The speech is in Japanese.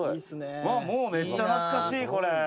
「もうめっちゃ懐かしいこれ」